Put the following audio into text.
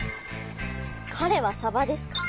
かれはサバですか？